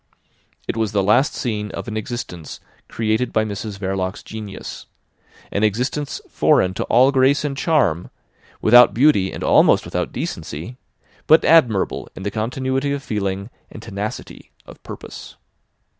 It was the last scene of an existence created by Mrs Verloc's genius; an existence foreign to all grace and charm, without beauty and almost without decency, but admirable in the continuity of feeling and tenacity of purpose.